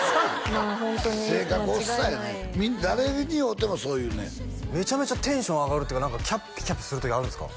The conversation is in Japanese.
まあホントに間違いない性格おっさんやねん誰に会うてもそう言うねんめちゃめちゃテンション上がるというかキャピキャピする時あるんですか？